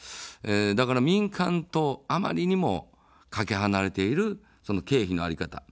だから民間とあまりにもかけ離れている経費の在り方。